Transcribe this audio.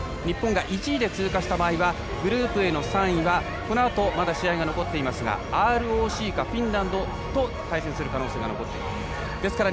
一方、日本が１位で通過した場合グループＡの３位はこのあと、まだ試合が残っていますがＲＯＣかフィンランドと対戦する可能性が残ります。